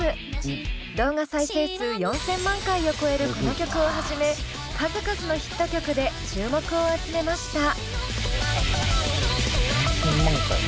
動画再生数４，０００万回を超えるこの曲をはじめ数々のヒット曲で注目を集めました。